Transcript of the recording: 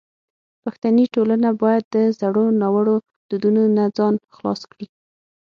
پښتني ټولنه باید د زړو ناوړو دودونو نه ځان خلاص کړي.